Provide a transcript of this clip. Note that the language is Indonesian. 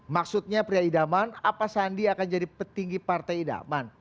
maksudnya pria idaman apa sandi akan jadi petinggi partai idaman